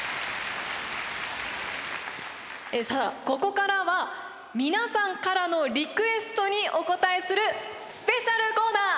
さあここからは皆さんからのリクエストにお応えするスペシャルコーナー